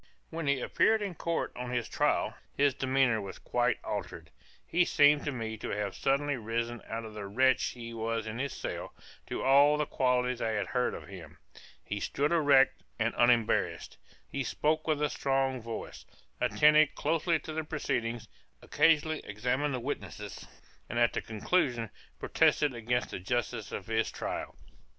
When he appeared in court on his trial, his demeanor was quite altered; he seemed to me to have suddenly risen out of the wretch he was in his cell, to all the qualities I had heard of him; he stood erect and unembarrassed; he spoke with a strong voice, attended closely to the proceedings, occasionally examined the witnesses, and at the conclusion protested against the justice of his trial.